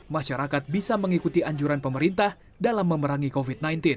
masyarakat bisa mengikuti anjuran pemerintah dalam memerangi covid sembilan belas